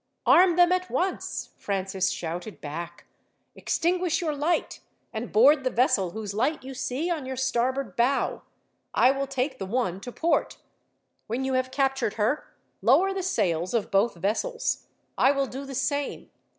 "Arm them at once!" Francis shouted back. "Extinguish your light, and board the vessel whose light you see on your starboard bow. I will take the one to port. When you have captured her, lower the sails of both vessels. I will do the same.